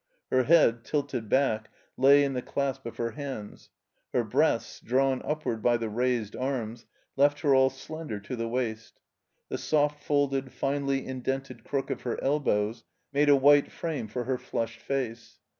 Her head, tilted back, lay in the dasp of her hands. Her breasts, drawn upward by the raised arms, left her all slender to the waist. The soft folded, finely indented crook of her elbows made a white frame for her flushed face.